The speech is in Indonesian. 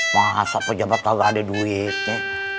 masa pejabat kalo ada duitnya